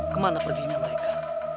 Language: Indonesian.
kepala perginya mereka